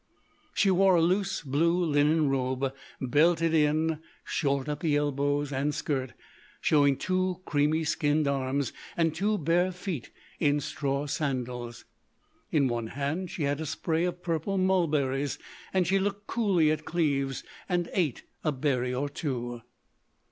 She wore a loose blue linen robe, belted in, short at the elbows and skirt, showing two creamy skinned arms and two bare feet in straw sandals. In one hand she had a spray of purple mulberries, and she looked coolly at Cleves and ate a berry or two.